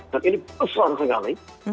dan ini berusaha sekali